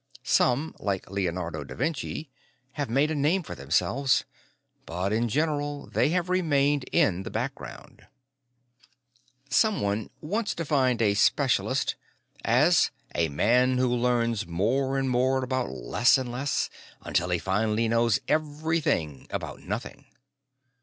Some like Leonardo da Vinci have made a name for themselves, but, in general, they have remained in the background. Someone once defined a specialist as "a man who learns more and more about less and less until he finally knows everything about nothing."